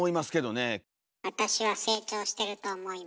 あたしは成長してると思います。